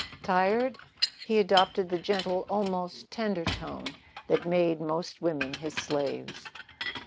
"Tired?" He adopted the gentle, almost tender tone that made most women his slaves.